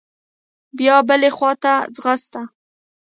بيا بلې خوا ته ځغسته.